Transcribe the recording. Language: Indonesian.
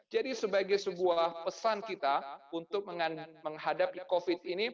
jadi sebagai sebuah pesan kita untuk menghadapi covid sembilan belas